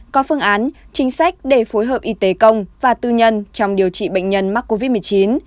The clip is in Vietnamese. có phương án chính sách để phối hợp y tế công và tư nhân trong điều trị bệnh nhân mắc covid một mươi chín